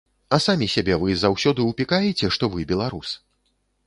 А самі сябе вы заўсёды ўпікаеце, што вы беларус?